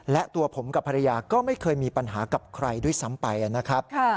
และตัวผมกับภรรยาก็ไม่เคยมีปัญหากับใครด้วยซ้ำไปนะครับ